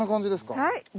はい。